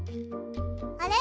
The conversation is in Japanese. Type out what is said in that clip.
あれ？